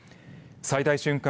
最大瞬間